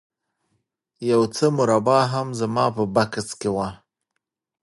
یو څه مربا هم زما په بکس کې وه